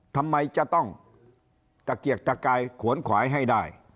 ทำไมจะต้องตะเกียกตะกายขวนขวายให้ได้